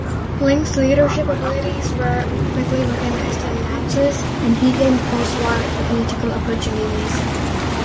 Lynch's leadership abilities were quickly recognized in Natchez, and he gained post-war political opportunities.